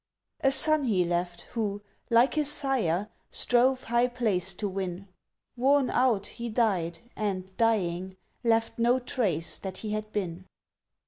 A son he left who, like his sire, strove High place to win; Worn out, he died and, dying, left no trace That he had been.